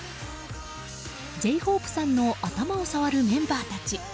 Ｊ‐ＨＯＰＥさんの頭を触るメンバーたち。